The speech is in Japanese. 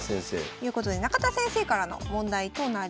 ということで中田先生からの問題となります。